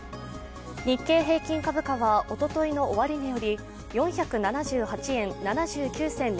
日経平均株価はおとといの終値より４７８円７９銭